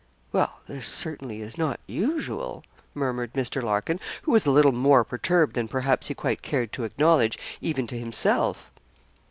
'Well, this certainly is not usual,' murmured Mr. Larkin, who was a little more perturbed than perhaps he quite cared to acknowledge even to himself.